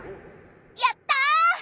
やった！